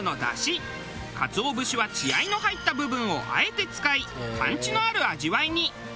鰹節は血合いの入った部分をあえて使いパンチのある味わいに。